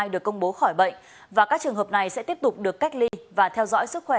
được công bố khỏi bệnh và các trường hợp này sẽ tiếp tục được cách ly và theo dõi sức khỏe